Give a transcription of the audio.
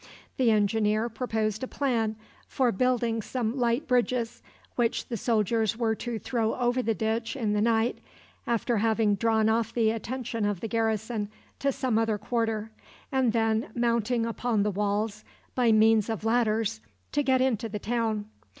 The engineer proposed a plan for building some light bridges, which the soldiers were to throw over the ditch in the night, after having drawn off the attention of the garrison to some other quarter, and then, mounting upon the walls by means of ladders, to get into the town.